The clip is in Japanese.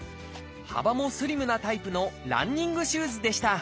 幅もスリムなタイプのランニングシューズでした。